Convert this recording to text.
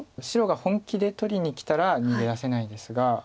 白が本気で取りにきたら逃げ出せないですが。